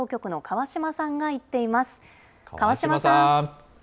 川島さん。